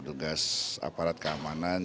dugas aparat keamanan